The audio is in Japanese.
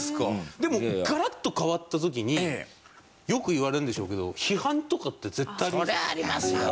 でもガラッと変わった時によく言われるんでしょうけど批判とかって絶対ありますよね？